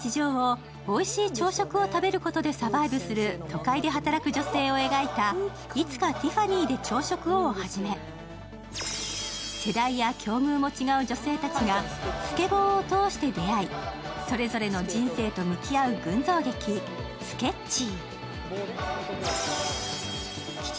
恋や仕事に揺れる厳しい日常をおいしい朝食を食べることでザヴァイブする都会で働く女性を描いた「いつかティファニーで朝食を」をはじめ世代や境遇も違う女性たちがスケボーを通して出会いそれぞれの人生と向き合う群像劇「スケッチー」。